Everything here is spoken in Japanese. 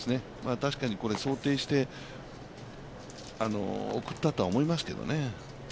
確かに想定して送ったとは思いますけどね。